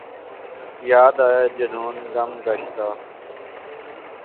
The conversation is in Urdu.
یاد آیا جنون گم گشتہ